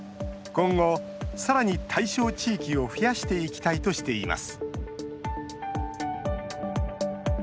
今後更に対象地域を増やしていきたいとしています。